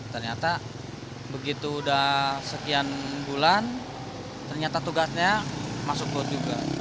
ternyata begitu udah sekian bulan ternyata tugasnya masuk klub juga